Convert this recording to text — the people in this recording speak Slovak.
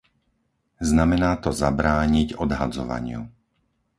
Znamená to zabrániť odhadzovaniu.